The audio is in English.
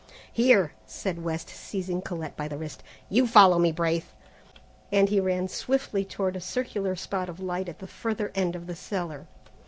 "Here," said West, seizing Colette by the wrist, "you follow me, Braith!" and he ran swiftly toward a circular spot of light at the further end of the cellar.